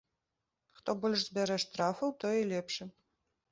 Хто больш збярэ штрафаў, той і лепшы.